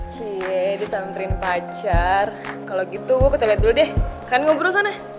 cie disamperin pacar kalo gitu gue kecelet dulu deh kan ngobrol sana